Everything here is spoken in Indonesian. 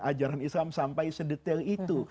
ajaran islam sampai sedetail itu